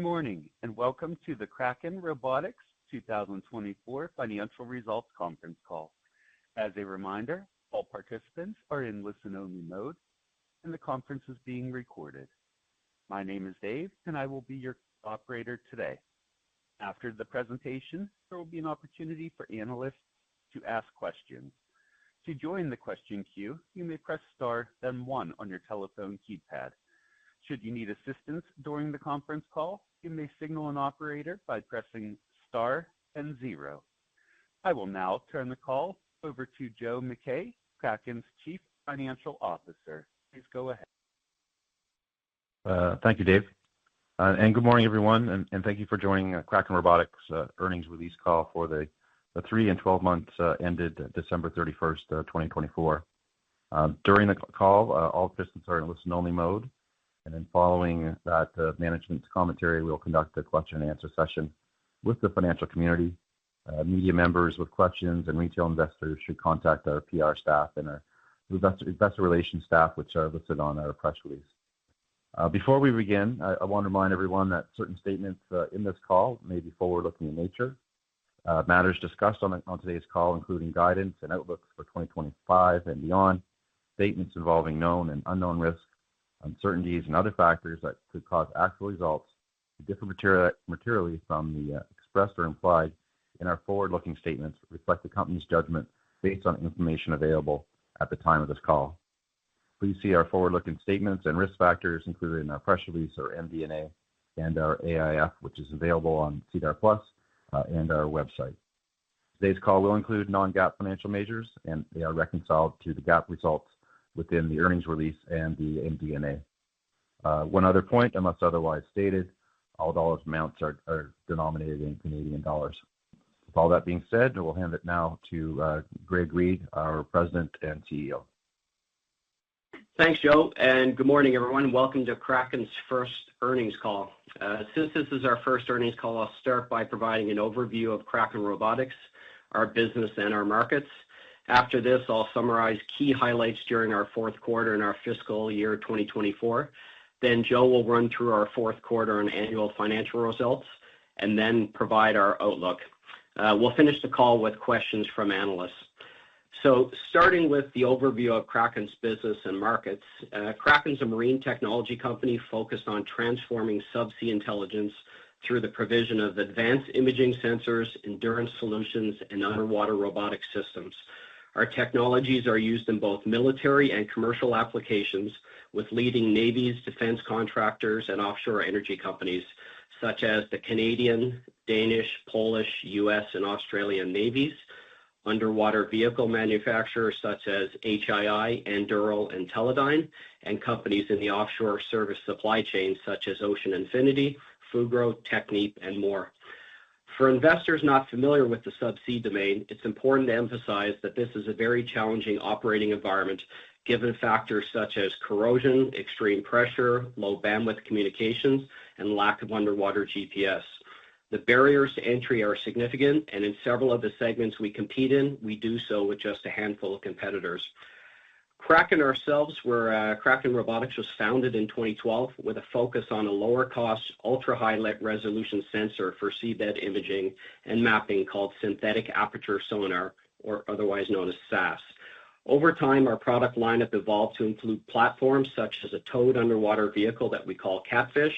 Good morning, and welcome to the Kraken Robotics 2024 Financial Results Conference Call. As a reminder, all participants are in listen-only mode, and the conference is being recorded. My name is Dave, and I will be your operator today. After the presentation, there will be an opportunity for analysts to ask questions. To join the question queue, you may press star, then one on your telephone keypad. Should you need assistance during the conference call, you may signal an operator by pressing star and zero. I will now turn the call over to Joe MacKay, Kraken's Chief Financial Officer. Please go ahead. Thank you, Dave. Good morning, everyone. Thank you for joining Kraken Robotics' earnings release call for the three and twelve months ended December 31, 2024. During the call, all participants are in listen-only mode. Following that management commentary, we will conduct a question-and-answer session with the financial community. Media members with questions and retail investors should contact our PR staff and our investor relations staff, which are listed on our press release. Before we begin, I want to remind everyone that certain statements in this call may be forward-looking in nature. Matters discussed on today's call, including guidance and outlooks for 2025 and beyond, statements involving known and unknown risks, uncertainties, and other factors that could cause actual results to differ materially from those expressed or implied in our forward-looking statements, reflect the company's judgment based on information available at the time of this call. Please see our forward-looking statements and risk factors included in our press release, our MD&A, and our AIF, which is available on SEDAR+ and our website. Today's call will include non-GAAP financial measures, and they are reconciled to the GAAP results within the earnings release and the MD&A. One other point, unless otherwise stated, all dollar amounts are denominated in CAD. With all that being said, we'll hand it now to Greg Reid, our President and CEO. Thanks, Joe. Good morning, everyone. Welcome to Kraken's first earnings call. Since this is our first earnings call, I'll start by providing an overview of Kraken Robotics, our business, and our markets. After this, I'll summarize key highlights during our fourth quarter and our fiscal year 2024. Joe will run through our fourth quarter and annual financial results, and then provide our outlook. We'll finish the call with questions from analysts. Starting with the overview of Kraken's business and markets, Kraken's a marine technology company focused on transforming subsea intelligence through the provision of advanced imaging sensors, endurance solutions, and underwater robotic systems. Our technologies are used in both military and commercial applications with leading navies, defense contractors, and offshore energy companies such as the Canadian, Danish, Polish, US, and Australian navies, underwater vehicle manufacturers such as HII, Anduril, and Teledyne, and companies in the offshore service supply chain such as Ocean Infinity, Fugro, Technip, and more. For investors not familiar with the subsea domain, it's important to emphasize that this is a very challenging operating environment given factors such as corrosion, extreme pressure, low bandwidth communications, and lack of underwater GPS. The barriers to entry are significant, and in several of the segments we compete in, we do so with just a handful of competitors. Kraken ourselves, where Kraken Robotics was founded in 2012, with a focus on a lower-cost, ultra-high-resolution sensor for seabed imaging and mapping called synthetic aperture sonar, or otherwise known as SAS. Over time, our product lineup evolved to include platforms such as a towed underwater vehicle that we call KATFISH,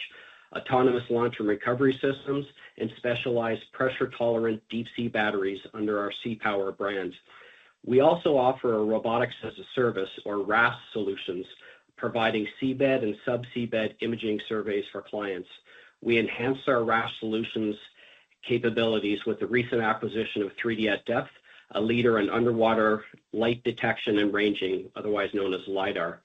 autonomous launch and recovery systems, and specialized pressure-tolerant deep-sea batteries under our SeaPower brand. We also offer a robotics-as-a-service, or RaaS, solutions, providing seabed and subseabed imaging surveys for clients. We enhance our RaaS solutions capabilities with the recent acquisition of 3D at Depth, a leader in underwater light detection and ranging, otherwise known as LiDAR.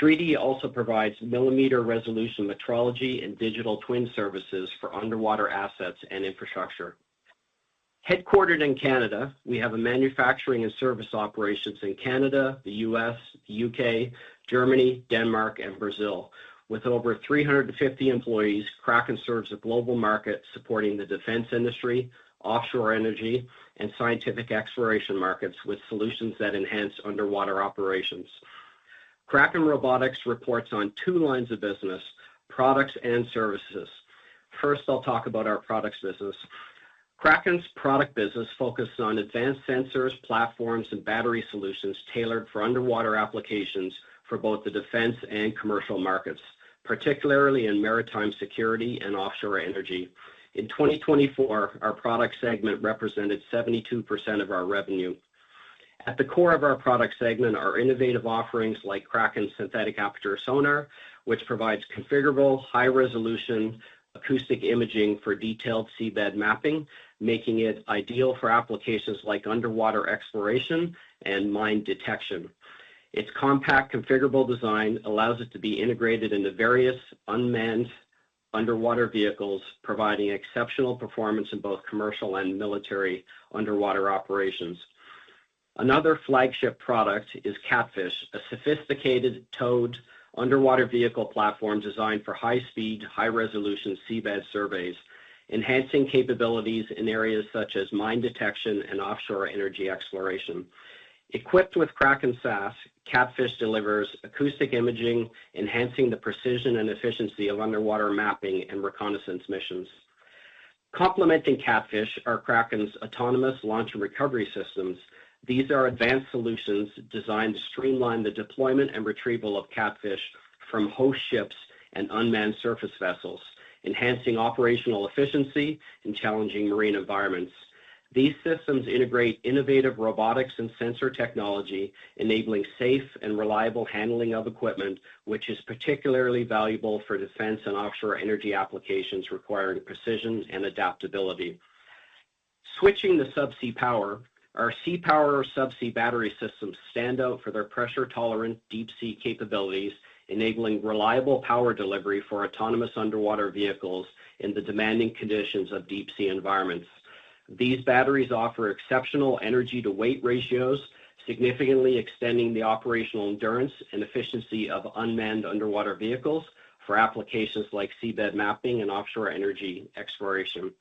3D also provides millimeter resolution metrology and digital twin services for underwater assets and infrastructure. Headquartered in Canada, we have manufacturing and service operations in Canada, the U.S., the U.K., Germany, Denmark, and Brazil. With over 350 employees, Kraken serves a global market supporting the defense industry, offshore energy, and scientific exploration markets with solutions that enhance underwater operations. Kraken Robotics reports on two lines of business: products and services. First, I'll talk about our products business. Kraken's product business focuses on advanced sensors, platforms, and battery solutions tailored for underwater applications for both the defense and commercial markets, particularly in maritime security and offshore energy. In 2024, our product segment represented 72% of our revenue. At the core of our product segment are innovative offerings like Kraken's synthetic aperture sonar, which provides configurable, high-resolution acoustic imaging for detailed seabed mapping, making it ideal for applications like underwater exploration and mine detection. Its compact, configurable design allows it to be integrated into various unmanned underwater vehicles, providing exceptional performance in both commercial and military underwater operations. Another flagship product is KATFISH, a sophisticated towed underwater vehicle platform designed for high-speed, high-resolution seabed surveys, enhancing capabilities in areas such as mine detection and offshore energy exploration. Equipped with Kraken SAS, KATFISH delivers acoustic imaging, enhancing the precision and efficiency of underwater mapping and reconnaissance missions. Complementing KATFISH are Kraken's autonomous launch and recovery systems. These are advanced solutions designed to streamline the deployment and retrieval of KATFISH from host ships and unmanned surface vessels, enhancing operational efficiency in challenging marine environments. These systems integrate innovative robotics and sensor technology, enabling safe and reliable handling of equipment, which is particularly valuable for defense and offshore energy applications requiring precision and adaptability. Switching to subsea power, our SeaPower subsea battery systems stand out for their pressure-tolerant deep-sea capabilities, enabling reliable power delivery for autonomous underwater vehicles in the demanding conditions of deep-sea environments. These batteries offer exceptional energy-to-weight ratios, significantly extending the operational endurance and efficiency of unmanned underwater vehicles for applications like seabed mapping and offshore energy exploration.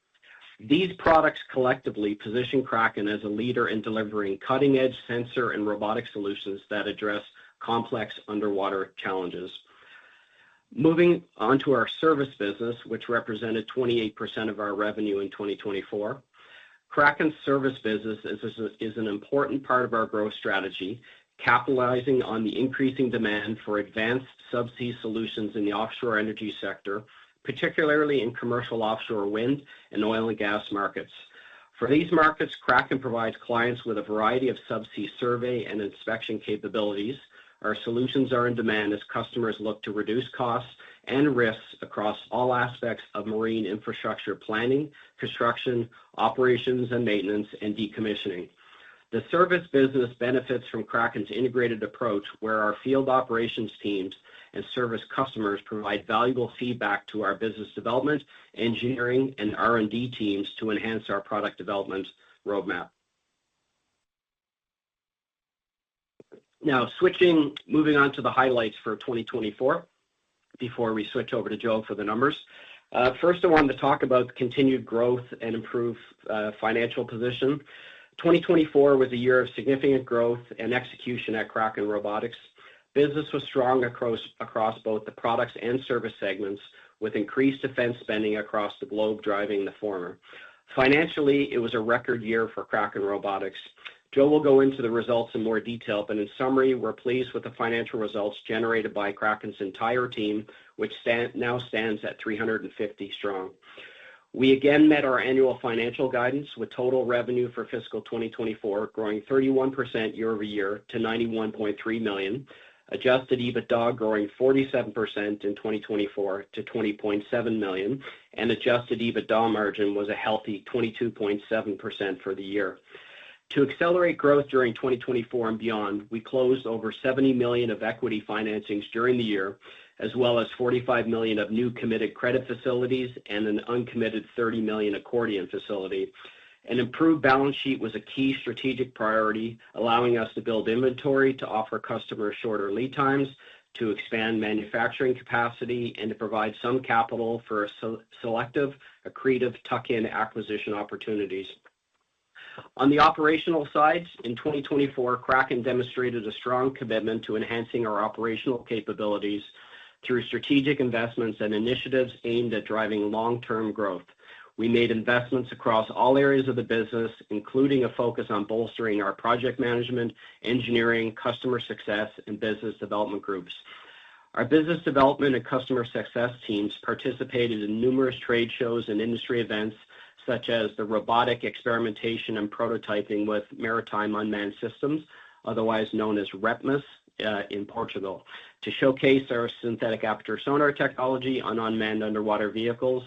These products collectively position Kraken as a leader in delivering cutting-edge sensor and robotic solutions that address complex underwater challenges. Moving on to our service business, which represented 28% of our revenue in 2024, Kraken's service business is an important part of our growth strategy, capitalizing on the increasing demand for advanced subsea solutions in the offshore energy sector, particularly in commercial offshore wind and oil and gas markets. For these markets, Kraken provides clients with a variety of subsea survey and inspection capabilities. Our solutions are in demand as customers look to reduce costs and risks across all aspects of marine infrastructure planning, construction, operations, maintenance, and decommissioning. The service business benefits from Kraken's integrated approach, where our field operations teams and service customers provide valuable feedback to our business development, engineering, and R&D teams to enhance our product development roadmap. Now, moving on to the highlights for 2024, before we switch over to Joe for the numbers. First, I wanted to talk about continued growth and improved financial position. 2024 was a year of significant growth and execution at Kraken Robotics. Business was strong across both the products and service segments, with increased defense spending across the globe driving the former. Financially, it was a record year for Kraken Robotics. Joe will go into the results in more detail, but in summary, we're pleased with the financial results generated by Kraken's entire team, which now stands at 350 strong. We again met our annual financial guidance, with total revenue for fiscal 2024 growing 31% year over year to 91.3 million, adjusted EBITDA growing 47% in 2024 to 20.7 million, and adjusted EBITDA margin was a healthy 22.7% for the year. To accelerate growth during 2024 and beyond, we closed over 70 million of equity financings during the year, as well as 45 million of new committed credit facilities and an uncommitted 30 million accordion facility. An improved balance sheet was a key strategic priority, allowing us to build inventory, to offer customers shorter lead times, to expand manufacturing capacity, and to provide some capital for selective, accretive tuck-in acquisition opportunities. On the operational side, in 2024, Kraken demonstrated a strong commitment to enhancing our operational capabilities through strategic investments and initiatives aimed at driving long-term growth. We made investments across all areas of the business, including a focus on bolstering our project management, engineering, customer success, and business development groups. Our business development and customer success teams participated in numerous trade shows and industry events, such as the Robotic Experimentation and Prototyping with Maritime Unmanned Systems, otherwise known as REPMUS in Portugal, to showcase our synthetic aperture sonar technology on unmanned underwater vehicles,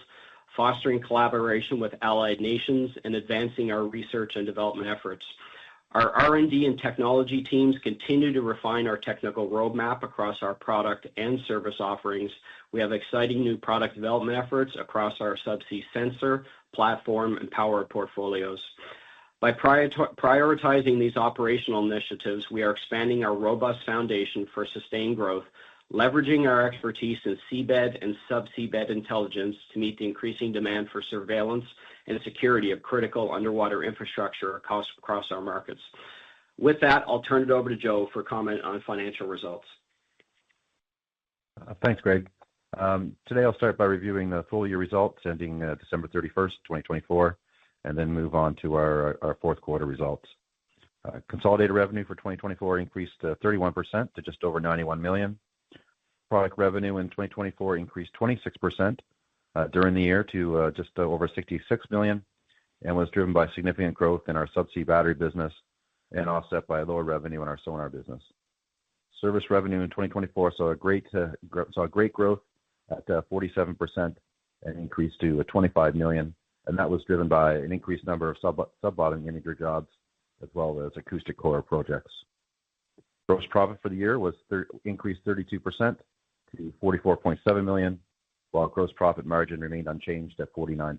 fostering collaboration with allied nations and advancing our research and development efforts. Our R&D and technology teams continue to refine our technical roadmap across our product and service offerings. We have exciting new product development efforts across our subsea sensor, platform, and power portfolios. By prioritizing these operational initiatives, we are expanding our robust foundation for sustained growth, leveraging our expertise in seabed and subseabed intelligence to meet the increasing demand for surveillance and security of critical underwater infrastructure across our markets. With that, I'll turn it over to Joe for comment on financial results. Thanks, Greg. Today, I'll start by reviewing the full year results ending December 31, 2024, and then move on to our fourth quarter results. Consolidated revenue for 2024 increased 31% to just over 91 million. Product revenue in 2024 increased 26% during the year to just over 66 million and was driven by significant growth in our subsea battery business and offset by lower revenue in our sonar business. Service revenue in 2024 saw a great growth at 47% and increased to 25 million, and that was driven by an increased number of Sub-Bottom Imager jobs as well as Acoustic Corer projects. Gross profit for the year increased 32% to 44.7 million, while gross profit margin remained unchanged at 49%.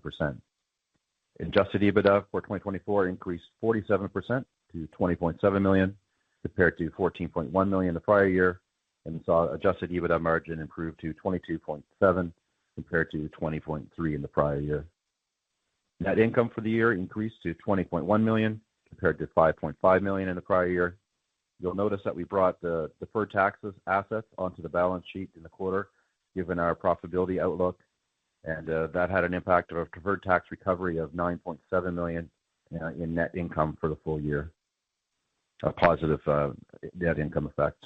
Adjusted EBITDA for 2024 increased 47% to 20.7 million, compared to 14.1 million the prior year, and saw adjusted EBITDA margin improve to 22.7%, compared to 20.3% in the prior year. Net income for the year increased to 20.1 million, compared to 5.5 million in the prior year. You'll notice that we brought the deferred tax assets onto the balance sheet in the quarter, given our profitability outlook, and that had an impact of a deferred tax recovery of 9.7 million in net income for the full year, a positive net income effect.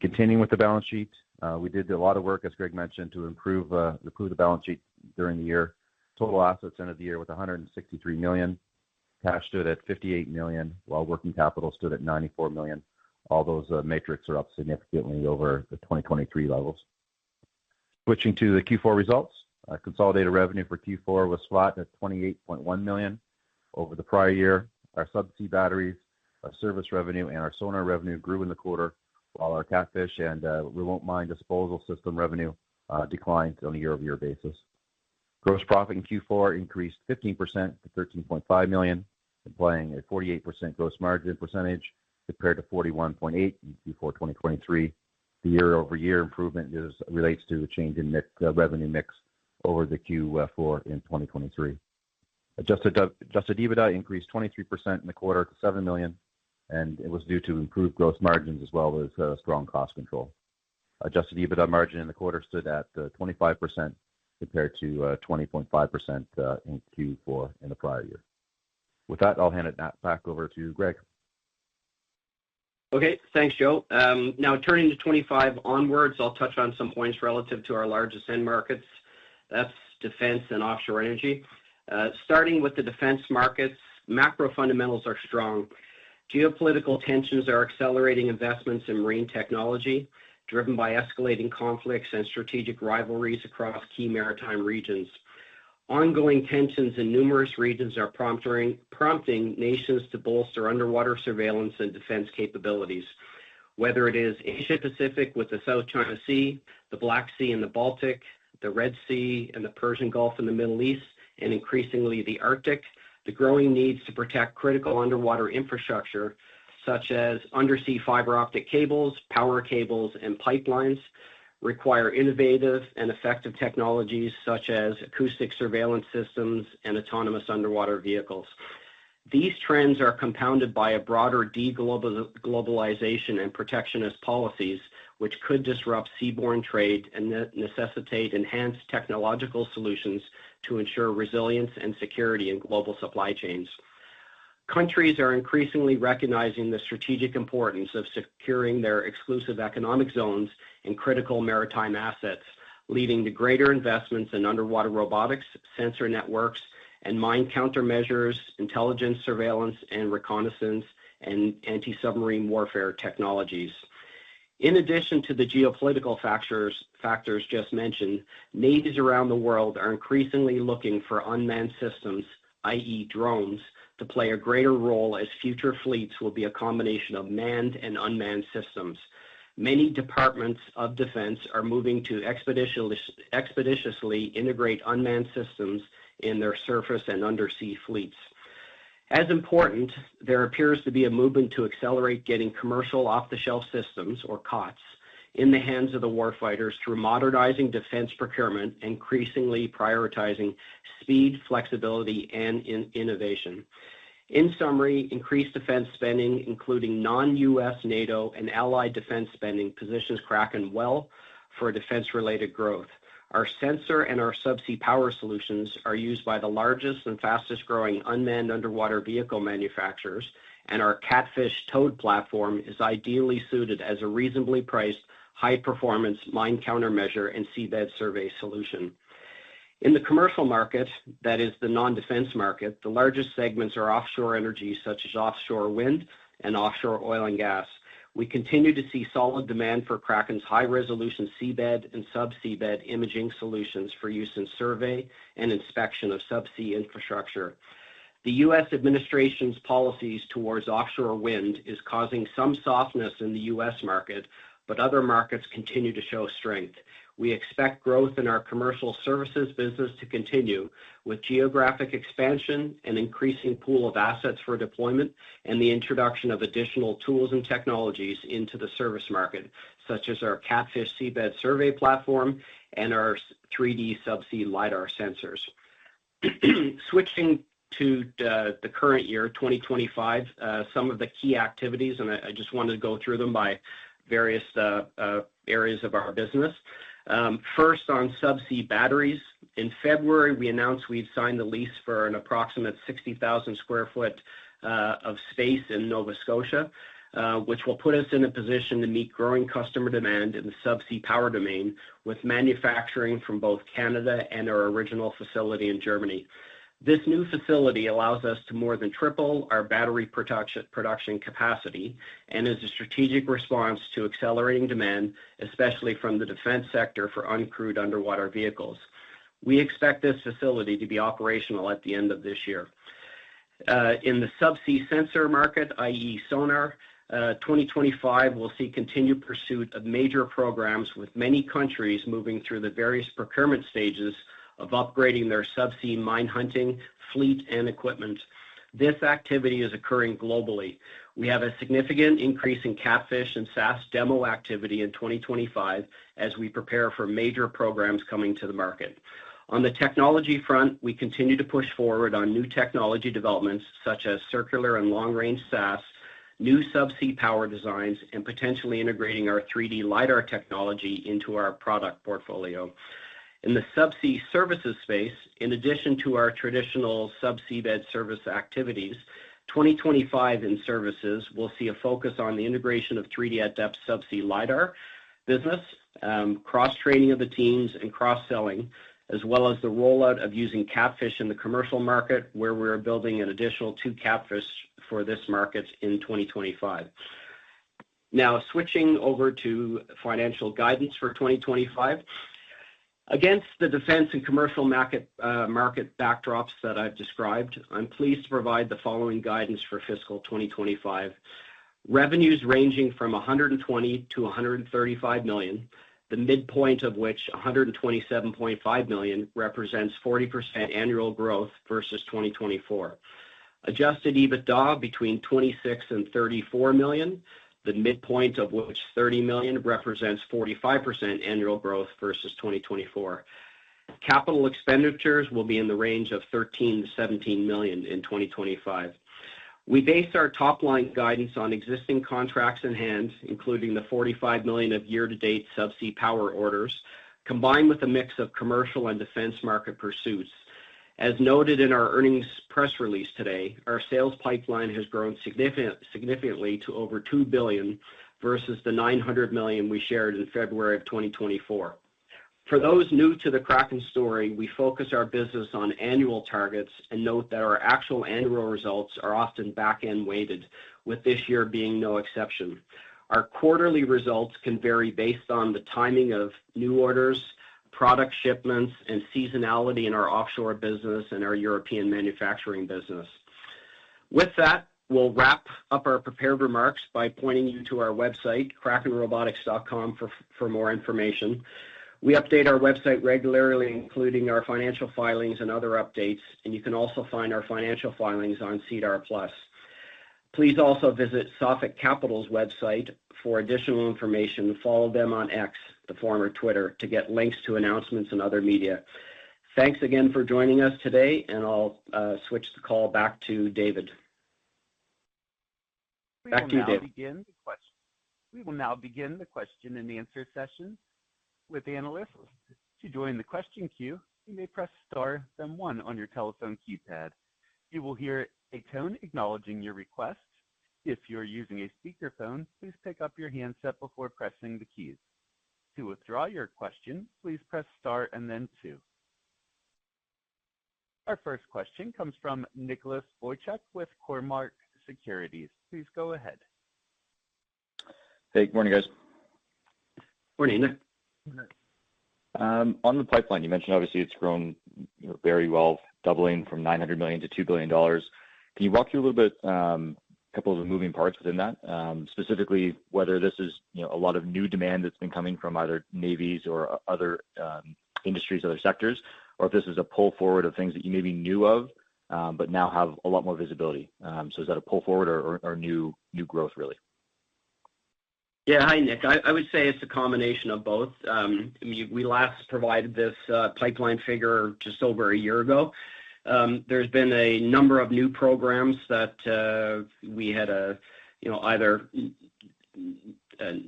Continuing with the balance sheet, we did a lot of work, as Greg mentioned, to improve the balance sheet during the year. Total assets ended the year with 163 million. Cash stood at 58 million, while working capital stood at 94 million. All those metrics are up significantly over the 2023 levels. Switching to the Q4 results, consolidated revenue for Q4 was flat at 28.1 million over the prior year. Our subsea batteries, our service revenue, and our sonar revenue grew in the quarter, while our KATFISH and remote mine disposal system revenue declined on a year-over-year basis. Gross profit in Q4 increased 15% to 13.5 million, implying a 48% gross margin percentage compared to 41.8% in Q4 2023. The year-over-year improvement relates to a change in revenue mix over the Q4 in 2023. Adjusted EBITDA increased 23% in the quarter to 7 million, and it was due to improved gross margins as well as strong cost control. Adjusted EBITDA margin in the quarter stood at 25% compared to 20.5% in Q4 in the prior year. With that, I'll hand it back over to Greg. Okay, thanks, Joe. Now, turning to 25 onwards, I'll touch on some points relative to our largest end markets. That's defense and offshore energy. Starting with the defense markets, macro fundamentals are strong. Geopolitical tensions are accelerating investments in marine technology, driven by escalating conflicts and strategic rivalries across key maritime regions. Ongoing tensions in numerous regions are prompting nations to bolster underwater surveillance and defense capabilities, whether it is Asia-Pacific with the South China Sea, the Black Sea and the Baltic, the Red Sea and the Persian Gulf in the Middle East, and increasingly the Arctic. The growing needs to protect critical underwater infrastructure, such as undersea fiber optic cables, power cables, and pipelines, require innovative and effective technologies such as acoustic surveillance systems and autonomous underwater vehicles. These trends are compounded by a broader deglobalization and protectionist policies, which could disrupt seaborne trade and necessitate enhanced technological solutions to ensure resilience and security in global supply chains. Countries are increasingly recognizing the strategic importance of securing their exclusive economic zones and critical maritime assets, leading to greater investments in underwater robotics, sensor networks, and mine countermeasures, intelligence surveillance, and reconnaissance and anti-submarine warfare technologies. In addition to the geopolitical factors just mentioned, nations around the world are increasingly looking for unmanned systems, i.e., drones, to play a greater role as future fleets will be a combination of manned and unmanned systems. Many departments of defense are moving to expeditiously integrate unmanned systems in their surface and undersea fleets. As important, there appears to be a movement to accelerate getting commercial off-the-shelf systems, or COTS, in the hands of the warfighters through modernizing defense procurement and increasingly prioritizing speed, flexibility, and innovation. In summary, increased defense spending, including non-U.S. NATO and allied defense spending, positions Kraken well for defense-related growth. Our sensor and our subsea power solutions are used by the largest and fastest-growing unmanned underwater vehicle manufacturers, and our KATFISH towed platform is ideally suited as a reasonably priced, high-performance mine countermeasure and seabed survey solution. In the commercial market, that is the non-defense market, the largest segments are offshore energy such as offshore wind and offshore oil and gas. We continue to see solid demand for Kraken's high-resolution seabed and subseabed imaging solutions for use in survey and inspection of subsea infrastructure. The U.S. administration's policies towards offshore wind are causing some softness in the U.S. market, but other markets continue to show strength. We expect growth in our commercial services business to continue with geographic expansion and increasing pool of assets for deployment and the introduction of additional tools and technologies into the service market, such as our KATFISH seabed survey platform and our 3D subsea LiDAR sensors. Switching to the current year, 2025, some of the key activities, and I just wanted to go through them by various areas of our business. First, on subsea batteries, in February, we announced we'd signed the lease for an approximate 60,000 sq ft of space in Nova Scotia, which will put us in a position to meet growing customer demand in the subsea power domain with manufacturing from both Canada and our original facility in Germany. This new facility allows us to more than triple our battery production capacity and is a strategic response to accelerating demand, especially from the defense sector for uncrewed underwater vehicles. We expect this facility to be operational at the end of this year. In the subsea sensor market, i.e., sonar, 2025 will see continued pursuit of major programs with many countries moving through the various procurement stages of upgrading their subsea mine hunting fleet and equipment. This activity is occurring globally. We have a significant increase in KATFISH and SAS demo activity in 2025 as we prepare for major programs coming to the market. On the technology front, we continue to push forward on new technology developments such as circular and long-range SAS, new subsea power designs, and potentially integrating our 3D LiDAR technology into our product portfolio. In the subsea services space, in addition to our traditional subseabed service activities, 2025 in services will see a focus on the integration of 3D at Depth subsea LiDAR business, cross-training of the teams, and cross-selling, as well as the rollout of using KATFISH in the commercial market, where we are building an additional two KATFISH for this market in 2025. Now, switching over to financial guidance for 2025. Against the defense and commercial market backdrops that I've described, I'm pleased to provide the following guidance for fiscal 2025: revenues ranging from 120 million-135 million, the midpoint of which 127.5 million represents 40% annual growth versus 2024. Adjusted EBITDA between 26 million-34 million, the midpoint of which 30 million represents 45% annual growth versus 2024. Capital expenditures will be in the range of 13 million-17 million in 2025. We based our top-line guidance on existing contracts in hand, including the 45 million of year-to-date subsea power orders, combined with a mix of commercial and defense market pursuits. As noted in our earnings press release today, our sales pipeline has grown significantly to over 2 billion versus the 900 million we shared in February of 2024. For those new to the Kraken story, we focus our business on annual targets and note that our actual annual results are often back-end weighted, with this year being no exception. Our quarterly results can vary based on the timing of new orders, product shipments, and seasonality in our offshore business and our European manufacturing business. With that, we will wrap up our prepared remarks by pointing you to our website, krakenrobotics.com, for more information. We update our website regularly, including our financial filings and other updates, and you can also find our financial filings on SEDAR+. Please also visit Sophic Capital's website for additional information. Follow them on X, the former Twitter, to get links to announcements and other media. Thanks again for joining us today, and I'll switch the call back to David. Back to you, David. We will now begin the question and answer session. With analysts to join the question queue, you may press star then one on your telephone keypad. You will hear a tone acknowledging your request. If you're using a speakerphone, please pick up your handset before pressing the keys. To withdraw your question, please press star and then two. Our first question comes from Nicholas Wojcik with Cormark Securities. Please go ahead. Hey, good morning, guys. Morning. Morning. On the pipeline, you mentioned, obviously, it's grown very well, doubling from 900 million to 2 billion dollars. Can you walk through a little bit a couple of the moving parts within that, specifically whether this is a lot of new demand that's been coming from either navies or other industries, other sectors, or if this is a pull forward of things that you maybe knew of but now have a lot more visibility? Is that a pull forward or new growth, really? Yeah. Hi, Nick. I would say it's a combination of both. We last provided this pipeline figure just over a year ago. There's been a number of new programs that we had either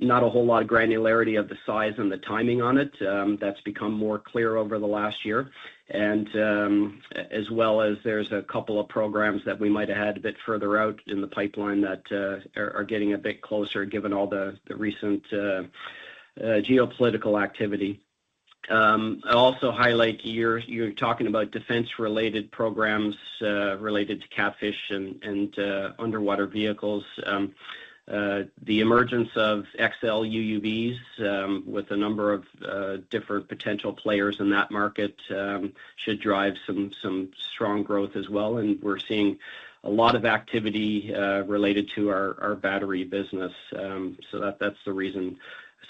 not a whole lot of granularity of the size and the timing on it. That's become more clear over the last year, as well as there's a couple of programs that we might have had a bit further out in the pipeline that are getting a bit closer given all the recent geopolitical activity. I'll also highlight you're talking about defense-related programs related to KATFISH and underwater vehicles. The emergence of XL UUVs with a number of different potential players in that market should drive some strong growth as well. We're seeing a lot of activity related to our battery business. That's the reason.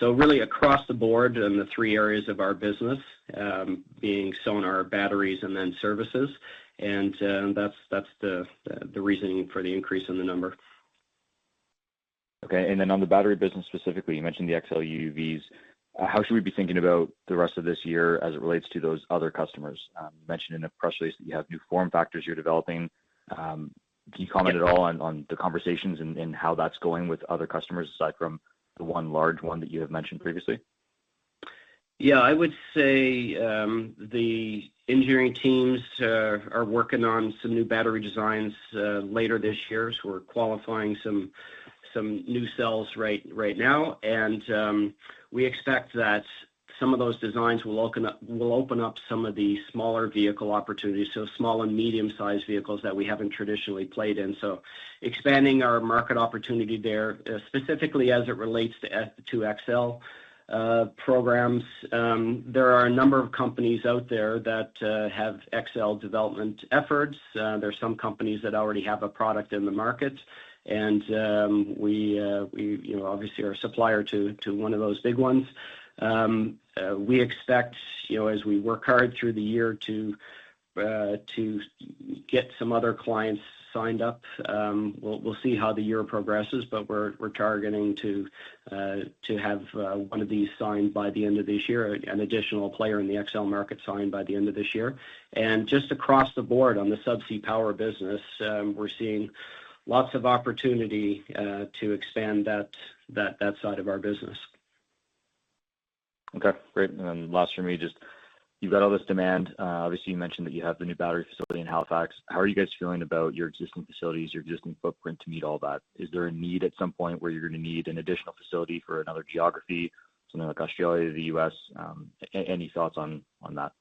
Really, across the board in the three areas of our business, being sonar, batteries, and then services, and that's the reasoning for the increase in the number. Okay. On the battery business specifically, you mentioned the XL UUVs. How should we be thinking about the rest of this year as it relates to those other customers? You mentioned in a press release that you have new form factors you're developing. Can you comment at all on the conversations and how that's going with other customers aside from the one large one that you have mentioned previously? Yeah. I would say the engineering teams are working on some new battery designs later this year. We are qualifying some new cells right now. We expect that some of those designs will open up some of the smaller vehicle opportunities, small and medium-sized vehicles that we have not traditionally played in. Expanding our market opportunity there, specifically as it relates to XL programs. There are a number of companies out there that have XL development efforts. There are some companies that already have a product in the market. We obviously are a supplier to one of those big ones. We expect, as we work hard through the year, to get some other clients signed up. We'll see how the year progresses, but we're targeting to have one of these signed by the end of this year, an additional player in the XL market signed by the end of this year. Just across the board on the subsea power business, we're seeing lots of opportunity to expand that side of our business. Okay. Great. Last from me, just you've got all this demand. Obviously, you mentioned that you have the new battery facility in Halifax. How are you guys feeling about your existing facilities, your existing footprint to meet all that? Is there a need at some point where you're going to need an additional facility for another geography, something like Australia, the U.S.? Any thoughts on that?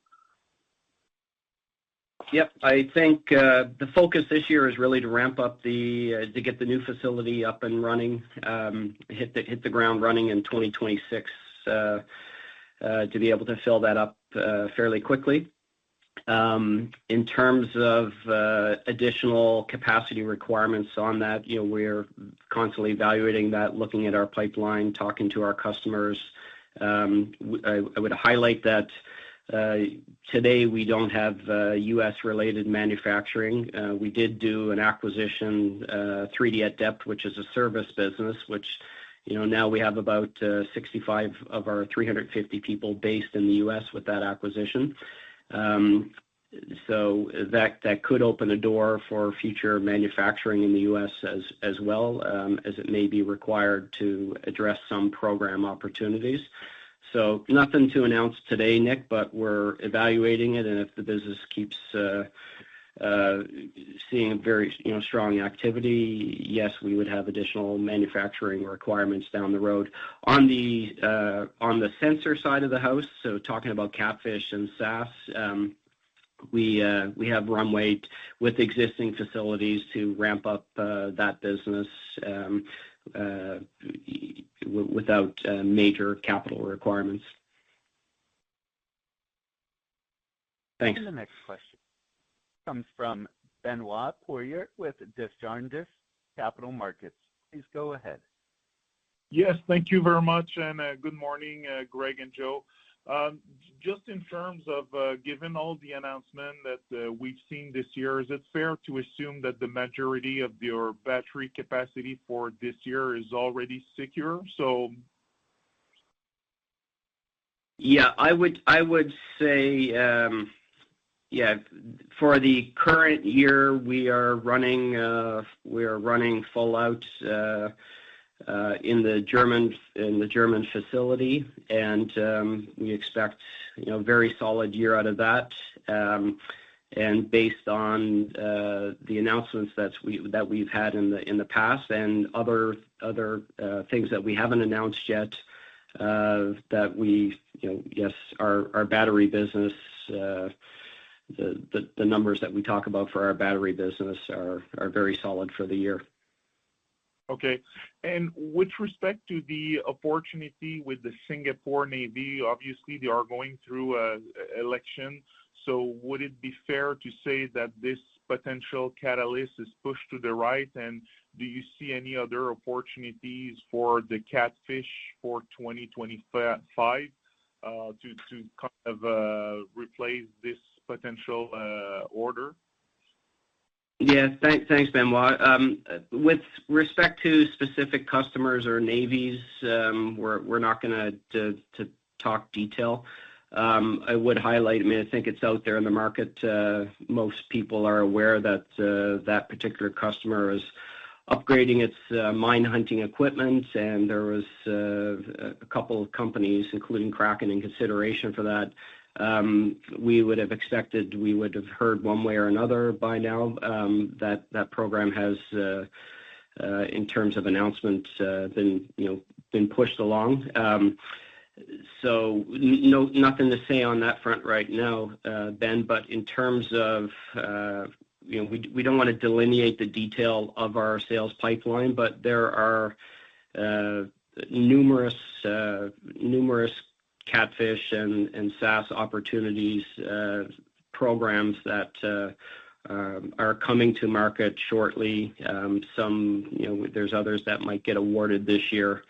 Yep. I think the focus this year is really to ramp up to get the new facility up and running, hit the ground running in 2026 to be able to fill that up fairly quickly. In terms of additional capacity requirements on that, we're constantly evaluating that, looking at our pipeline, talking to our customers. I would highlight that today we don't have U.S.-related manufacturing. We did do an acquisition, 3D at Depth, which is a service business, which now we have about 65 of our 350 people based in the U.S. with that acquisition. That could open a door for future manufacturing in the U.S. as well as it may be required to address some program opportunities. Nothing to announce today, Nick, but we're evaluating it. If the business keeps seeing very strong activity, yes, we would have additional manufacturing requirements down the road. On the sensor side of the house, so talking about KATFISH and SAS, we have runway with existing facilities to ramp up that business without major capital requirements. Thanks. The next question comes from Benoit Poirier with Desjardins Capital Markets. Please go ahead. Yes. Thank you very much. Good morning, Greg and Joe. Just in terms of given all the announcements that we've seen this year, is it fair to assume that the majority of your battery capacity for this year is already secure? Yeah. I would say, yeah, for the current year, we are running full out in the German facility, and we expect a very solid year out of that. Based on the announcements that we've had in the past and other things that we haven't announced yet, yes, our battery business, the numbers that we talk about for our battery business are very solid for the year. Okay. With respect to the opportunity with the Singapore Navy, obviously, they are going through an election. Would it be fair to say that this potential catalyst is pushed to the right? Do you see any other opportunities for the KATFISH for 2025 to kind of replace this potential order? Yeah. Thanks, Benoit Poirier. With respect to specific customers or navies, we're not going to talk detail. I would highlight, I mean, I think it's out there in the market. Most people are aware that that particular customer is upgrading its mine hunting equipment, and there was a couple of companies, including Kraken, in consideration for that. We would have expected we would have heard one way or another by now that that program has, in terms of announcements, been pushed along. Nothing to say on that front right now, Ben. In terms of we don't want to delineate the detail of our sales pipeline, there are numerous KATFISH and SAS opportunities programs that are coming to market shortly. There's others that might get awarded this year.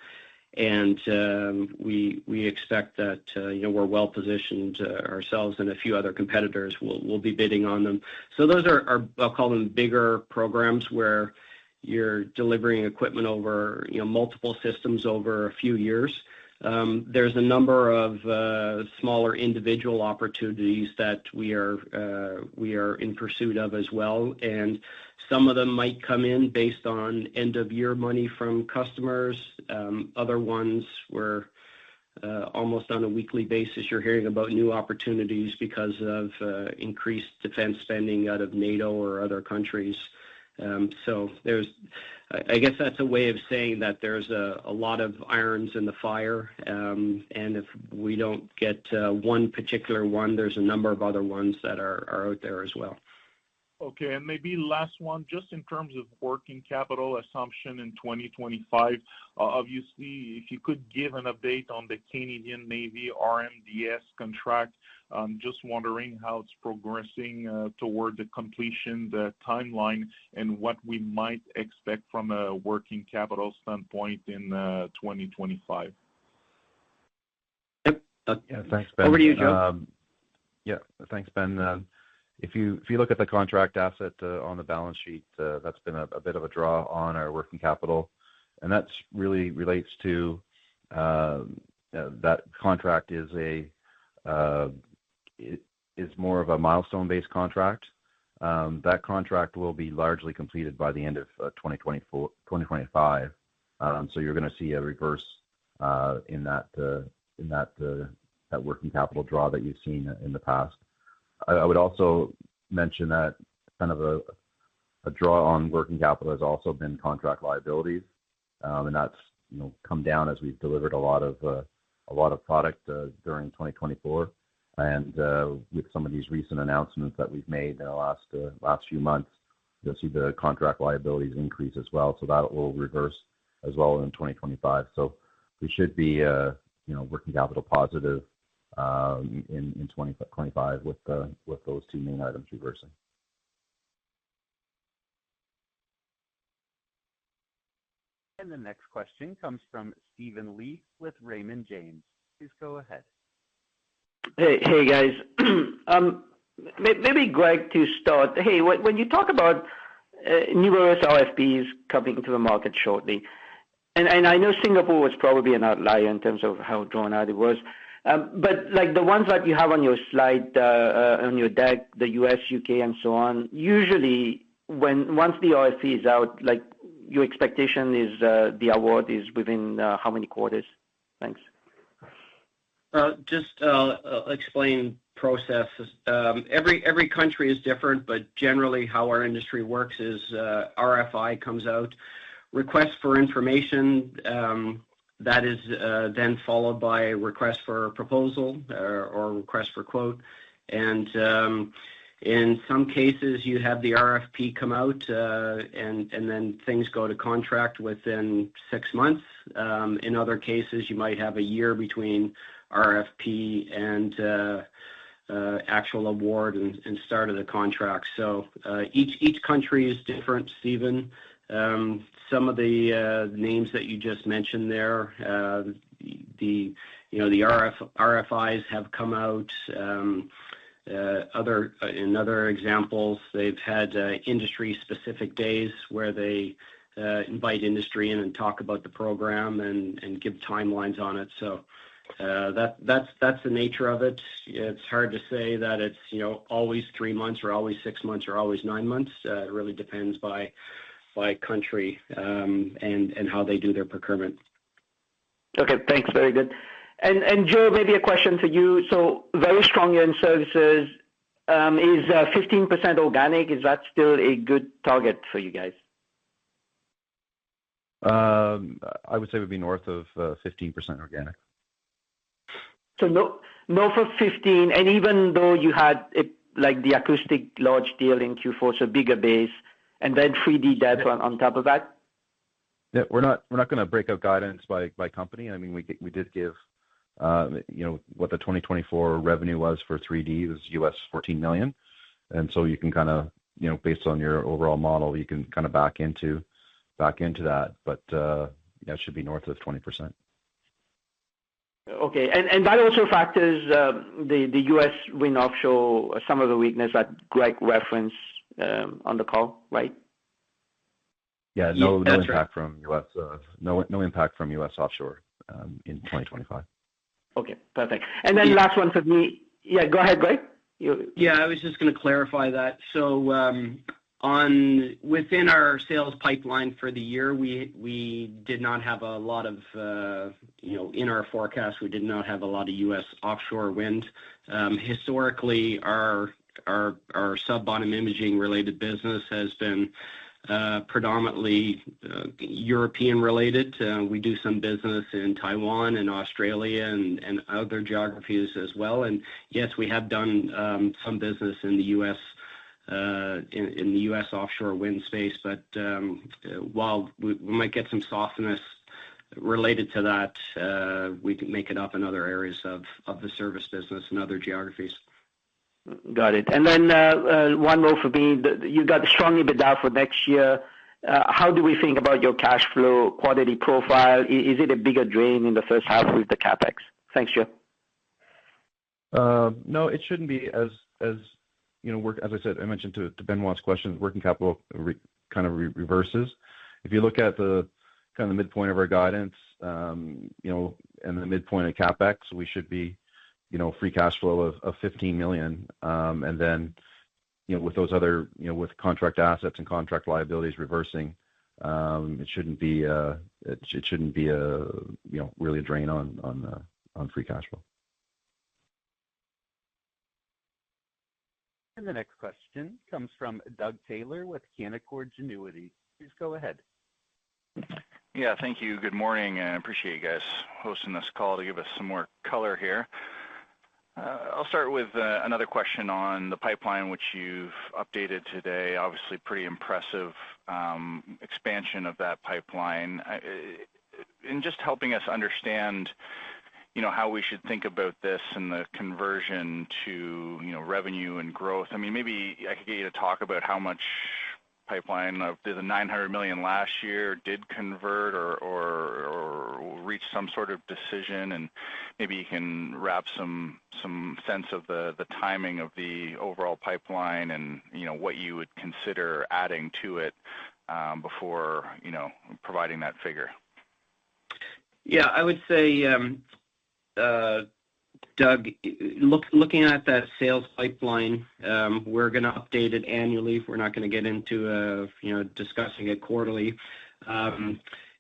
We expect that we're well positioned ourselves and a few other competitors will be bidding on them. Those are, I'll call them, bigger programs where you're delivering equipment over multiple systems over a few years. There's a number of smaller individual opportunities that we are in pursuit of as well. Some of them might come in based on end-of-year money from customers. Other ones, we're almost on a weekly basis, you're hearing about new opportunities because of increased defense spending out of NATO or other countries. I guess that's a way of saying that there's a lot of irons in the fire. If we don't get one particular one, there's a number of other ones that are out there as well. Okay. Maybe last one, just in terms of working capital assumption in 2025, obviously, if you could give an update on the Canadian Navy RMDS contract, just wondering how it's progressing toward the completion, the timeline, and what we might expect from a working capital standpoint in 2025. Yep. Yeah. Thanks, Ben. Over to you, Joe. Yeah. Thanks, Ben. If you look at the contract asset on the balance sheet, that's been a bit of a draw on our working capital. That really relates to that contract is more of a milestone-based contract. That contract will be largely completed by the end of 2025. You are going to see a reverse in that working capital draw that you have seen in the past. I would also mention that kind of a draw on working capital has also been contract liabilities. That has come down as we have delivered a lot of product during 2024. With some of these recent announcements that we have made in the last few months, you will see the contract liabilities increase as well. That will reverse as well in 2025. We should be working capital positive in 2025 with those two main items reversing. The next question comes from Steven Li with Raymond James. Please go ahead. Hey, guys. Maybe, Greg, to start. Hey, when you talk about numerous RFPs coming to the market shortly, and I know Singapore was probably an outlier in terms of how drawn out it was, but the ones that you have on your slide, on your deck, the U.S., U.K., and so on, usually once the RFP is out, your expectation is the award is within how many quarters? Thanks. Just I'll explain processes. Every country is different, but generally, how our industry works is RFI comes out, request for information that is then followed by a request for a proposal or request for quote. In some cases, you have the RFP come out, and then things go to contract within six months. In other cases, you might have a year between RFP and actual award and start of the contract. Each country is different, Steven. Some of the names that you just mentioned there, the RFIs have come out. In other examples, they've had industry-specific days where they invite industry in and talk about the program and give timelines on it. That's the nature of it. It's hard to say that it's always three months or always six months or always nine months. It really depends by country and how they do their procurement. Okay. Thanks. Very good. Joe, maybe a question to you. Very strong in services. Is 15% organic? Is that still a good target for you guys? I would say it would be north of 15% organic. No for 15. And even though you had the acoustic large deal in Q4, so bigger base, and then 3D at Depth on top of that? Yeah. We're not going to break up guidance by company. I mean, we did give what the 2024 revenue was for 3D at Depth was $14 million. And you can kind of, based on your overall model, you can kind of back into that. That should be north of 20%. Okay. That also factors the U.S. wind offshore, some of the weakness that Greg referenced on the call, right? Yeah. No impact from U.S. No impact from U.S. offshore in 2025. Okay. Perfect. Last one for me. Yeah. Go ahead, Greg. Yeah. I was just going to clarify that. Within our sales pipeline for the year, we did not have a lot of, in our forecast, we did not have a lot of U.S. offshore wind. Historically, our sub-bottom imaging-related business has been predominantly European-related. We do some business in Taiwan and Australia and other geographies as well. Yes, we have done some business in the U.S. offshore wind space. While we might get some softness related to that, we can make it up in other areas of the service business and other geographies. Got it. One more for me. You got strongly bid out for next year. How do we think about your cash flow quality profile? Is it a bigger drain in the first half with the CapEx? Thanks, Joe. No, it shouldn't be. As I said, I mentioned to Benoit's question, working capital kind of reverses. If you look at the kind of the midpoint of our guidance and the midpoint of CapEx, we should be free cash flow of 15 million. With those other, with contract assets and contract liabilities reversing, it shouldn't be, it shouldn't be really a drain on free cash flow. The next question comes from Doug Taylor with Canaccord Genuity. Please go ahead. Yeah. Thank you. Good morning. I appreciate you guys hosting this call to give us some more color here. I'll start with another question on the pipeline, which you've updated today. Obviously, pretty impressive expansion of that pipeline. Just helping us understand how we should think about this and the conversion to revenue and growth. I mean, maybe I could get you to talk about how much pipeline of the 900 million last year did convert or reach some sort of decision. Maybe you can wrap some sense of the timing of the overall pipeline and what you would consider adding to it before providing that figure. Yeah. I would say, Doug, looking at that sales pipeline, we're going to update it annually. We're not going to get into discussing it quarterly.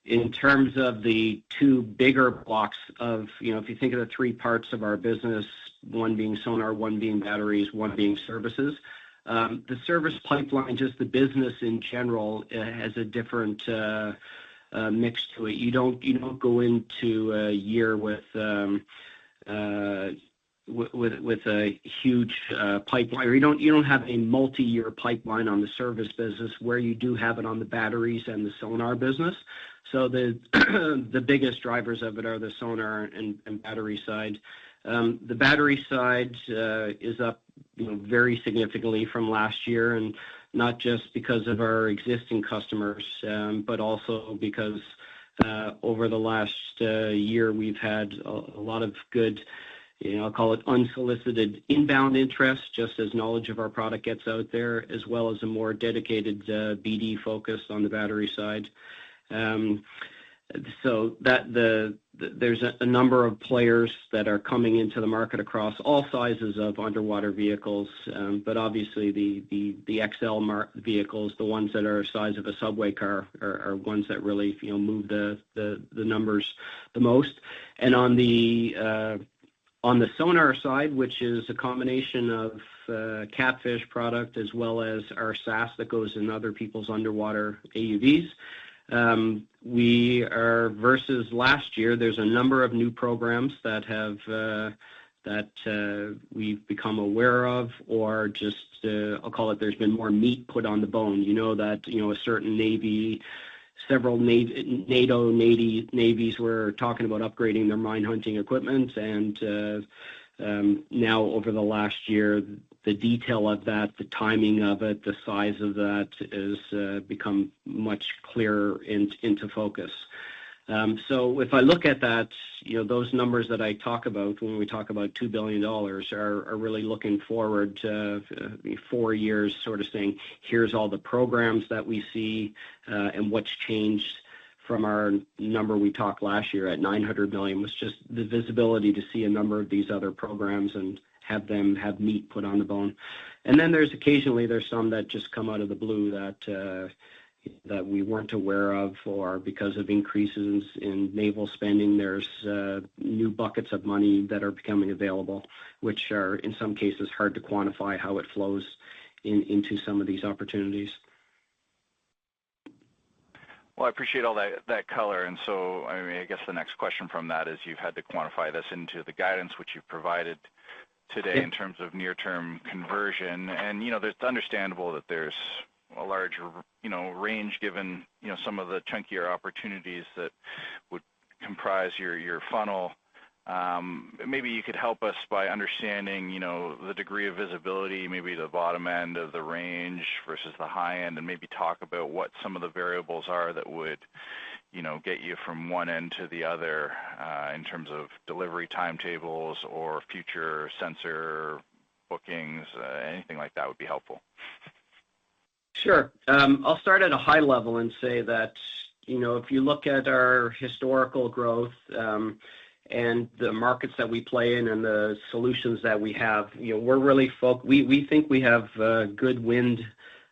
In terms of the two bigger blocks of if you think of the three parts of our business, one being sonar, one being batteries, one being services, the service pipeline, just the business in general, has a different mix to it. You don't go into a year with a huge pipeline. You don't have a multi-year pipeline on the service business where you do have it on the batteries and the sonar business. The biggest drivers of it are the sonar and battery side. The battery side is up very significantly from last year, and not just because of our existing customers, but also because over the last year, we've had a lot of good, I'll call it unsolicited inbound interest, just as knowledge of our product gets out there, as well as a more dedicated BD focus on the battery side. There are a number of players that are coming into the market across all sizes of underwater vehicles. Obviously, the XL vehicles, the ones that are the size of a subway car, are ones that really move the numbers the most. On the sonar side, which is a combination of KATFISH product as well as our SAS that goes in other people's underwater AUVs, versus last year, there's a number of new programs that we've become aware of or just, I'll call it, there's been more meat put on the bone. You know that a certain Navy, several NATO navies were talking about upgrading their mine hunting equipment. Now, over the last year, the detail of that, the timing of it, the size of that has become much clearer into focus. If I look at that, those numbers that I talk about when we talk about $2 billion are really looking forward to four years, sort of saying, "Here's all the programs that we see and what's changed from our number we talked last year at $900 million," was just the visibility to see a number of these other programs and have them have meat put on the bone. Occasionally, there's some that just come out of the blue that we were not aware of or because of increases in naval spending, there are new buckets of money that are becoming available, which are, in some cases, hard to quantify how it flows into some of these opportunities. I appreciate all that color. I mean, I guess the next question from that is you've had to quantify this into the guidance, which you've provided today in terms of near-term conversion. It's understandable that there's a larger range given some of the chunkier opportunities that would comprise your funnel. Maybe you could help us by understanding the degree of visibility, maybe the bottom end of the range versus the high end, and maybe talk about what some of the variables are that would get you from one end to the other in terms of delivery timetables or future sensor bookings. Anything like that would be helpful. Sure. I'll start at a high level and say that if you look at our historical growth and the markets that we play in and the solutions that we have, we think we have good wind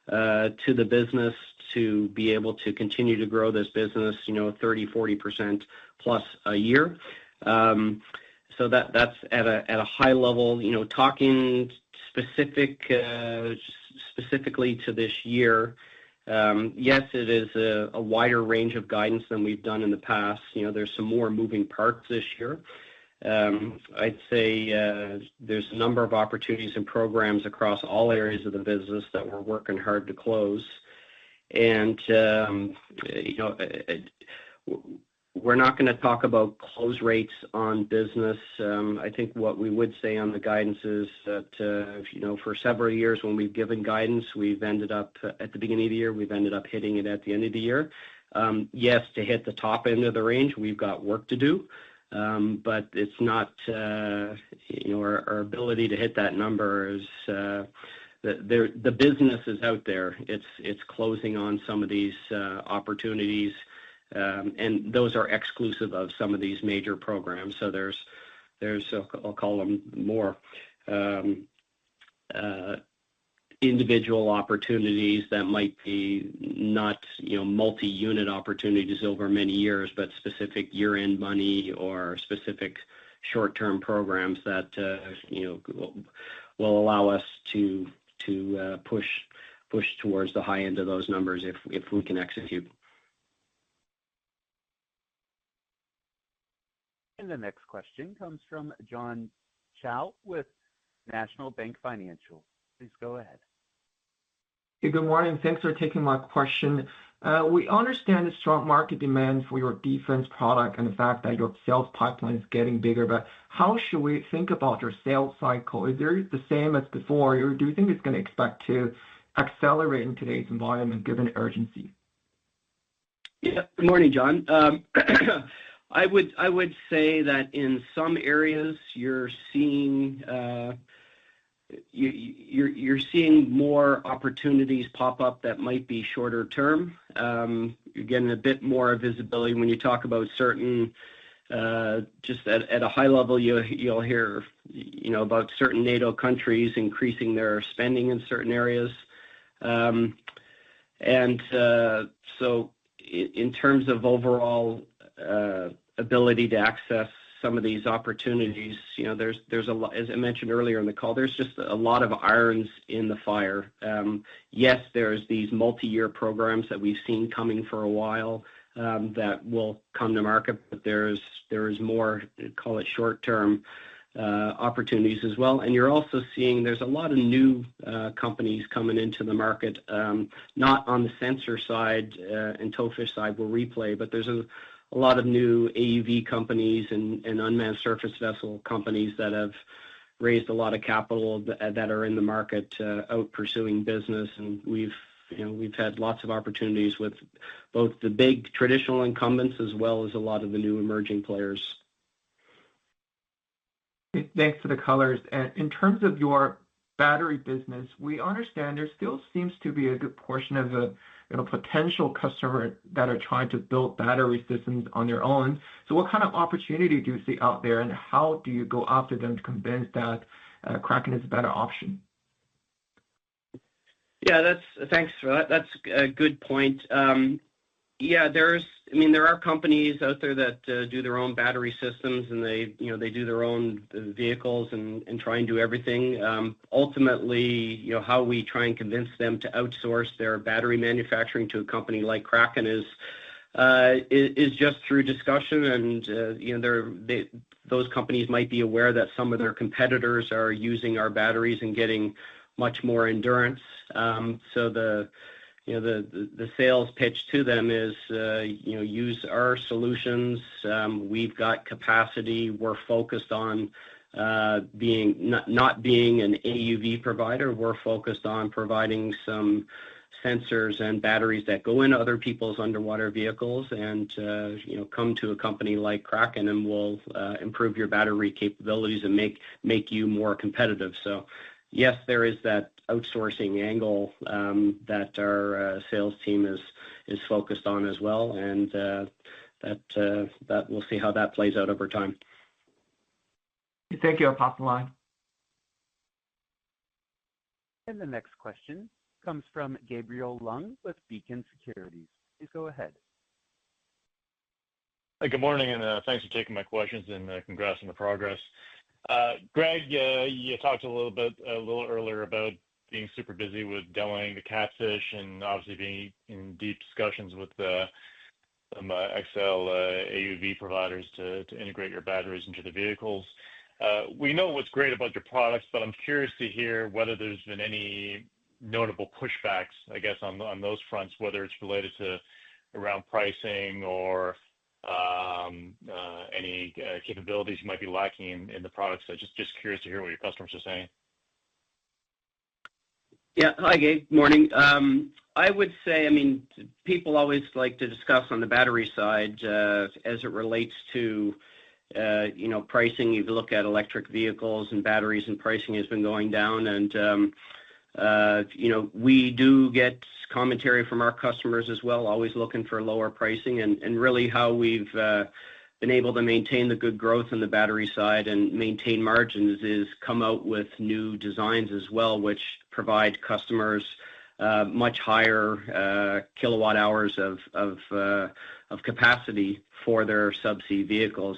to the business to be able to continue to grow this business 30%-40% plus a year. That's at a high level. Talking specifically to this year, yes, it is a wider range of guidance than we've done in the past. There are some more moving parts this year. I'd say there are a number of opportunities and programs across all areas of the business that we're working hard to close. We're not going to talk about close rates on business. I think what we would say on the guidance is that for several years, when we've given guidance, we've ended up at the beginning of the year, we've ended up hitting it at the end of the year. Yes, to hit the top end of the range, we've got work to do. It is not our ability to hit that number, the business is out there. It is closing on some of these opportunities. Those are exclusive of some of these major programs. There are, I'll call them, more individual opportunities that might be not multi-unit opportunities over many years, but specific year-end money or specific short-term programs that will allow us to push towards the high end of those numbers if we can execute. The next question comes from John Shao with National Bank Financial. Please go ahead. Hey, good morning. Thanks for taking my question. We understand the strong market demand for your defense product and the fact that your sales pipeline is getting bigger. How should we think about your sales cycle? Is it the same as before, or do you think it's going to expect to accelerate in today's environment given urgency? Yeah. Good morning, John. I would say that in some areas, you're seeing more opportunities pop up that might be shorter term. You're getting a bit more visibility when you talk about certain, just at a high level, you'll hear about certain NATO countries increasing their spending in certain areas. In terms of overall ability to access some of these opportunities, there's a lot, as I mentioned earlier in the call, there's just a lot of irons in the fire. Yes, there are these multi-year programs that we've seen coming for a while that will come to market, but there is more, call it short-term opportunities as well. You're also seeing there's a lot of new companies coming into the market, not on the sensor side and towfish side we play, but there's a lot of new AUV companies and unmanned surface vessel companies that have raised a lot of capital that are in the market out pursuing business. We've had lots of opportunities with both the big traditional incumbents as well as a lot of the new emerging players. Thanks for the colors. In terms of your battery business, we understand there still seems to be a good portion of the potential customers that are trying to build battery systems on their own. What kind of opportunity do you see out there, and how do you go after them to convince that Kraken is a better option? Yeah. Thanks for that. That's a good point. Yeah. I mean, there are companies out there that do their own battery systems, and they do their own vehicles and try and do everything. Ultimately, how we try and convince them to outsource their battery manufacturing to a company like Kraken is just through discussion. Those companies might be aware that some of their competitors are using our batteries and getting much more endurance. The sales pitch to them is, "Use our solutions. We've got capacity. We're focused on not being an AUV provider. We're focused on providing some sensors and batteries that go into other people's underwater vehicles and come to a company like Kraken, and we'll improve your battery capabilities and make you more competitive." Yes, there is that outsourcing angle that our sales team is focused on as well. We will see how that plays out over time. Thank you. I'll pop the line. The next question comes from Gabriel Leung with Beacon Securities. Please go ahead. Good morning. Thanks for taking my questions and congrats on the progress. Greg, you talked a little bit earlier about being super busy with demoing the KATFISH and obviously being in deep discussions with some XL AUV providers to integrate your batteries into the vehicles. We know what's great about your products, but I'm curious to hear whether there's been any notable pushbacks, I guess, on those fronts, whether it's related to around pricing or any capabilities you might be lacking in the products. Just curious to hear what your customers are saying. Yeah. Hi, Gabe. Good morning. I would say, I mean, people always like to discuss on the battery side as it relates to pricing. You've looked at electric vehicles and batteries, and pricing has been going down. We do get commentary from our customers as well, always looking for lower pricing. Really, how we've been able to maintain the good growth on the battery side and maintain margins is come out with new designs as well, which provide customers much higher kilowatt-hours of capacity for their subsea vehicles.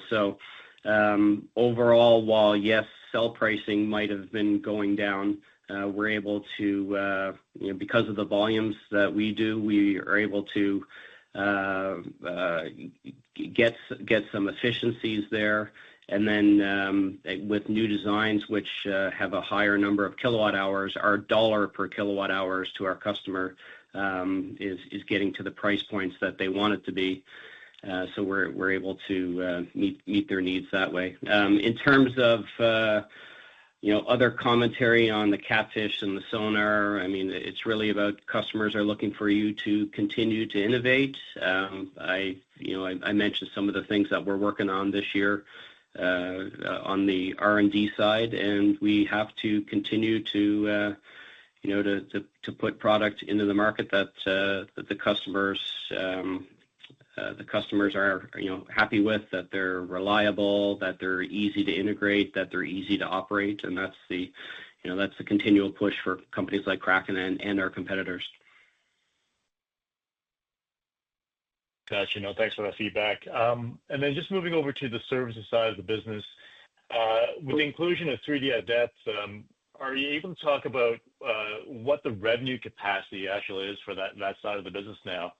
Overall, while yes, sell pricing might have been going down, we're able to, because of the volumes that we do, we are able to get some efficiencies there. With new designs, which have a higher number of kilowatt-hours, our dollar per kilowatt-hours to our customer is getting to the price points that they want it to be. We're able to meet their needs that way. In terms of other commentary on the KATFISH and the sonar, I mean, it's really about customers are looking for you to continue to innovate. I mentioned some of the things that we're working on this year on the R&D side. We have to continue to put product into the market that the customers are happy with, that they're reliable, that they're easy to integrate, that they're easy to operate. That's the continual push for companies like Kraken and our competitors. Gotcha. Thanks for that feedback. Just moving over to the services side of the business, with the inclusion of 3D at Depth, are you able to talk about what the revenue capacity actually is for that side of the business now?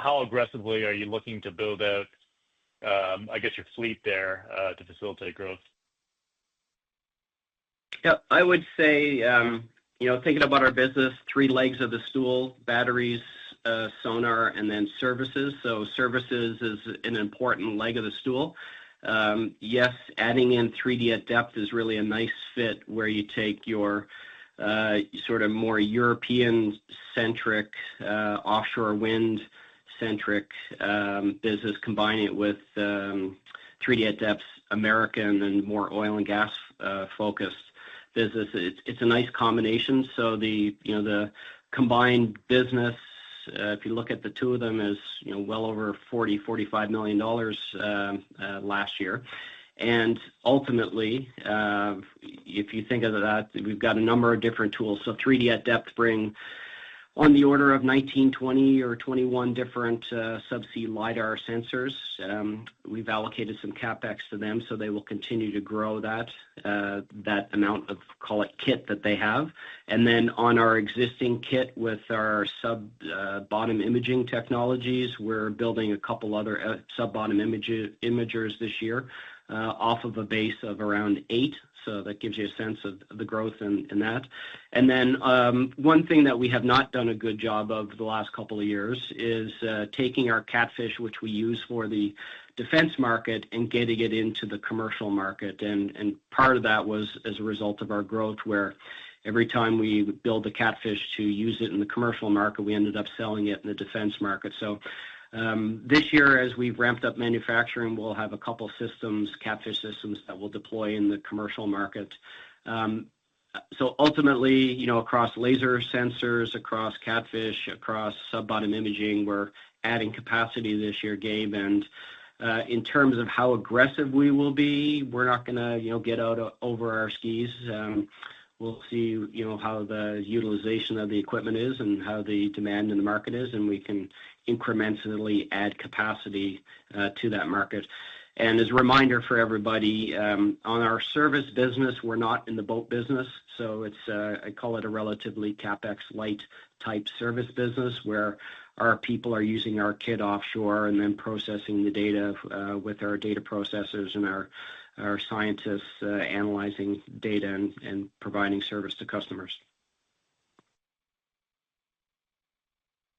How aggressively are you looking to build out, I guess, your fleet there to facilitate growth? Yeah. I would say, thinking about our business, three legs of the stool, batteries, sonar, and then services. Services is an important leg of the stool. Yes, adding in 3D at Depth is really a nice fit where you take your sort of more European-centric, offshore wind-centric business, combine it with 3D at Depth's American and more oil and gas-focused business. It's a nice combination. The combined business, if you look at the two of them, is well over 40 million-45 million dollars last year. Ultimately, if you think of that, we've got a number of different tools. 3D at Depth brings on the order of 19, 20, or 21 different subsea LiDAR sensors. We've allocated some CapEx to them, so they will continue to grow that amount of, call it, kit that they have. On our existing kit with our sub-bottom imaging technologies, we're building a couple of other sub-bottom imagers this year off of a base of around eight. That gives you a sense of the growth in that. One thing that we have not done a good job of the last couple of years is taking our KATFISH, which we use for the defense market, and getting it into the commercial market. Part of that was as a result of our growth, where every time we would build the KATFISH to use it in the commercial market, we ended up selling it in the defense market. This year, as we've ramped up manufacturing, we'll have a couple of systems, KATFISH systems, that we'll deploy in the commercial market. Ultimately, across laser sensors, across KATFISH, across sub-bottom imaging, we're adding capacity this year, Gabe. In terms of how aggressive we will be, we're not going to get out over our skis. We'll see how the utilization of the equipment is and how the demand in the market is, and we can incrementally add capacity to that market. As a reminder for everybody, on our service business, we're not in the boat business. I call it a relatively CapEx-light type service business, where our people are using our kit offshore and then processing the data with our data processors and our scientists analyzing data and providing service to customers.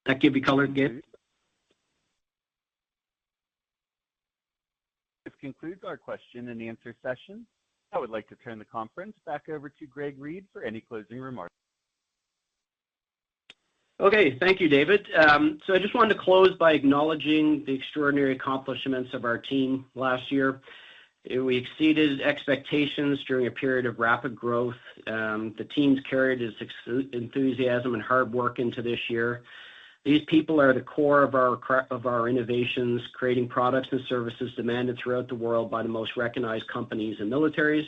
That gives you color, Gabe? This concludes our question and answer session. I would like to turn the conference back over to Greg Reid for any closing remarks. Okay. Thank you, David. I just wanted to close by acknowledging the extraordinary accomplishments of our team last year. We exceeded expectations during a period of rapid growth. The teams carried this enthusiasm and hard work into this year. These people are the core of our innovations, creating products and services demanded throughout the world by the most recognized companies and militaries.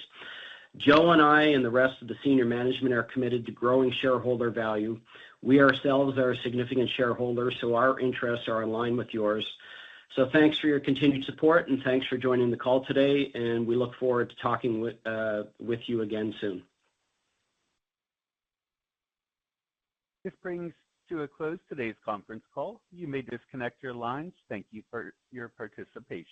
Joe and I and the rest of the senior management are committed to growing shareholder value. We ourselves are a significant shareholder, so our interests are aligned with yours. Thank you for your continued support, and thank you for joining the call today. We look forward to talking with you again soon. This brings to a close today's conference call. You may disconnect your lines. Thank you for your participation.